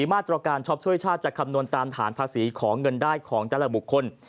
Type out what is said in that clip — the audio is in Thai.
มาตรการช็อปช่วยชาติจะคำนวณตามฐานภาษีของเงินได้ของแต่ละบุคคล